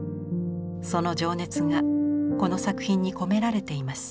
その情熱がこの作品に込められています。